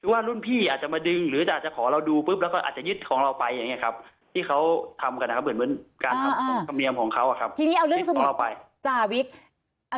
ว่ารุ่นพี่อาจจะมาดึงหรืออาจจะขอเราดูปุ๊บแล้วก็อาจจะยึดของเราไปอย่างเงี้ยครับที่เขาทำกันเหมือนการทำธรรมเนียมของเขาอะครับ